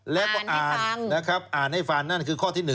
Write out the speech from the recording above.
แล้วก็อ่านอ่านให้ฟันนั่นคือข้อที่๑